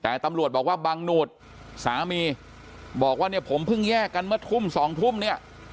แต่ตำรวจบอกว่าบังหนูดสามีบอกว่าเนี่ยผมเพิ่งแยกกันเมื่อทุ่มสองทุ่มเนี่ย